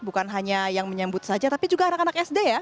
bukan hanya yang menyambut saja tapi juga anak anak sd ya